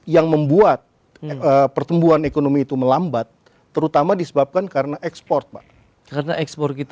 yang membuat pertumbuhan ekonomi itu melambat terutama disebabkan karena ekspor pak karena ekspor kita